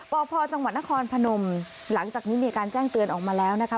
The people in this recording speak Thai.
พจังหวัดนครพนมหลังจากนี้มีการแจ้งเตือนออกมาแล้วนะคะ